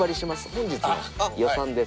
本日の予算です。